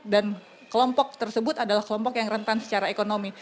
dan kelompok tersebut adalah kelompok yang rentan secara ekonomi